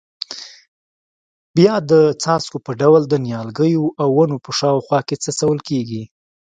بیا د څاڅکو په ډول د نیالګیو او ونو په شاوخوا کې څڅول کېږي.